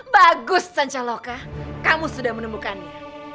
bagus sancaloka kamu sudah menemukannya